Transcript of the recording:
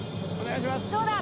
どうだ？